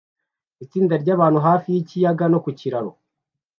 Itsinda ryabantu hafi yikiyaga no ku kiraro